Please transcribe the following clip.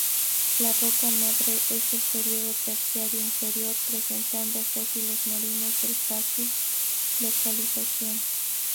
La roca madre es del período Terciario inferior, presentando fósiles marinos de fácil localización.